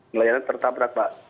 nelayannya tertabrak pak